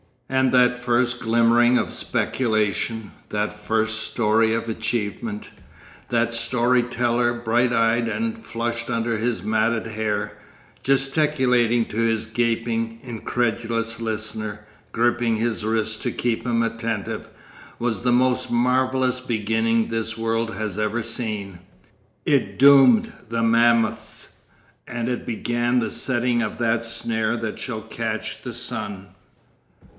And that first glimmering of speculation, that first story of achievement, that story teller bright eyed and flushed under his matted hair, gesticulating to his gaping, incredulous listener, gripping his wrist to keep him attentive, was the most marvellous beginning this world has ever seen. It doomed the mammoths, and it began the setting of that snare that shall catch the sun.